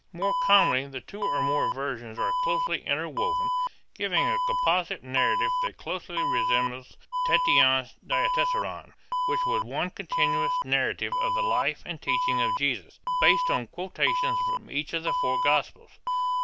More commonly the two or more versions are closely interwoven, giving a composite narrative that closely resembles Tatian's Diatessaron which was one continuous narrative of the life and teachings of Jesus, based on quotations from each of the four Gospels.